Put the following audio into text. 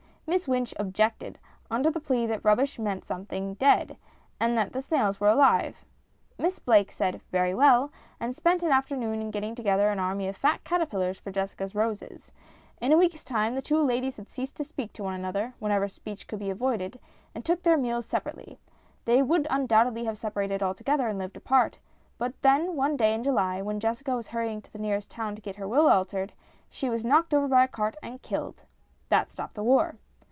Miss Wynch objected, under the plea that rubbish meant something dead, and the snails were alive. Miss Blake said " Very well," and spent an afternoon in getting together an army of fat caterpillars for MINIATURES 257 Jessica's roses. In a week's time the two ladies had ceased to speak to one another whenever speech could be avoided and took their meals separately. They would undoubtedly have separated alto gether and lived apart, but one day in July, when Jessica was hurrying to the nearest town to get her will altered, she was knocked over by a cart and killed. That stopped the war